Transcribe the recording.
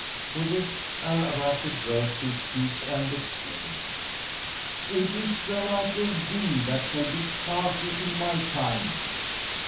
With this, Al Rashid rose to his feet and exclaimed, "It is the like of thee that shall be Kazi in my time."